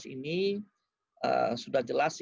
ini sudah jelas